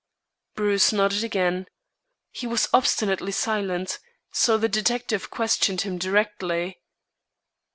Bruce nodded again. He was obstinately silent, so the detective questioned him directly.